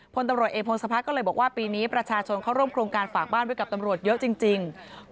พลตำรวจเอกพงศพัฒน์ก็เลยบอกว่าปีนี้ประชาชนเข้าร่วมโครงการฝากบ้านไว้กับตำรวจเยอะจริง